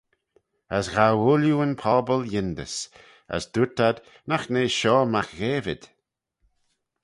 As ghow ooilley'n pobble yindys, as dooyrt ad, nagh nee shoh mac Ghavid?